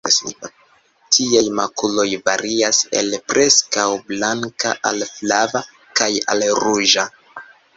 Tiaj makuloj varias el preskaŭ blanka al flava, kaj al ruĝa.